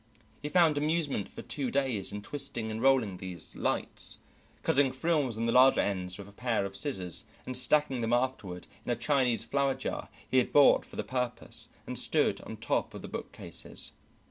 He found amusement for two days in twisting and rolling these "lights," cutting frills in the larger ends with a pair of scissors, and stacking them afterward in a Chinese flower jar he had bought for the purpose and stood on top of the bookcases.